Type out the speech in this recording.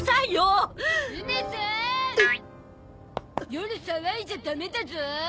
夜騒いじゃダメだゾ。